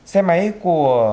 xe máy của